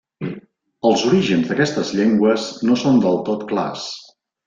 Els orígens d'aquestes llengües no són del tot clars.